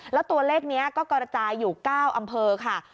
แล้วตัวเลขนี้ก็กระจายอยู่๙อำเภอค่ะ